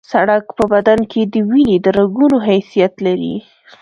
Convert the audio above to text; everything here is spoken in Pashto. سړک په بدن کې د وینې د رګونو حیثیت لري